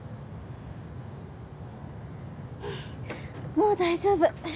もう大丈夫。